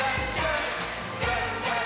「じゃんじゃん！